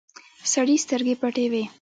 سړي سترګې پټې وې.